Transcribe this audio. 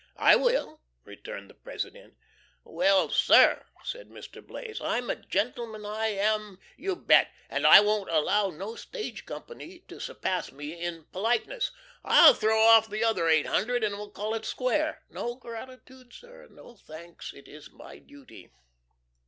"I will," returned the President. "Well, sir," said Mr. Blaze, "I'm a gentleman, I AM, you bet! And I won't allow no Stage Company to surpass me in politeness. I'LL THROW OFF THE OTHER EIGHT HUNDRED, AND WE'LL CALL IT SQUARE! No gratitude, sir no thanks; it is my duty."